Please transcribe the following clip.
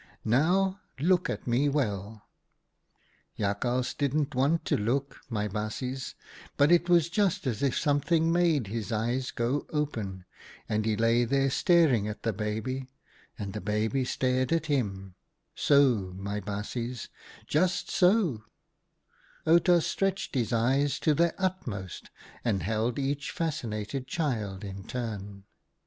Now, look at me well.' " Jakhals didn't want to look, my baasjes, but it was just as if something made his eyes go open, and he lay there staring at the baby, and the baby stared at him — so, my baasjes, just so" — Outa stretched his eyes to their utmost and held each fascinated child in turn.